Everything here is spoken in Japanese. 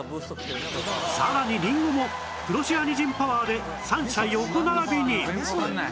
さらにりんごもプロシアニジンパワーで３者横並びに